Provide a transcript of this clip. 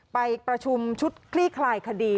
ไปประชุมชุดคลี่คลายคดี